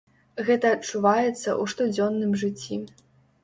Гэта адчуваецца ў штодзённым жыцці.